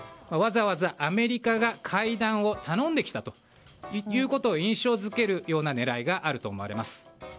わざわざアメリカが会談を頼んできたということを印象付けるような狙いがあると思われます。